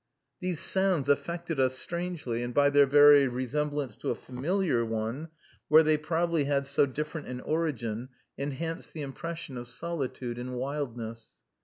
These sounds affected us strangely, and by their very resemblance to a familiar one, where they probably had so different an origin, enhanced the impression of solitude and wildness.